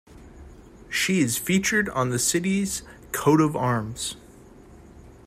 She is featured on the city's coat of arms.